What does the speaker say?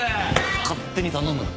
勝手に頼むな。